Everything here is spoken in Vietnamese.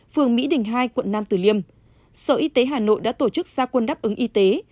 phường mỹ đình hai quận nam tử liêm sở y tế hà nội đã tổ chức gia quân đáp ứng y tế